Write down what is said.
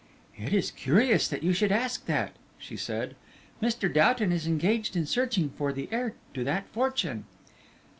"It is curious that you should ask that," she said. "Mr. Doughton is engaged in searching for the heir to that fortune."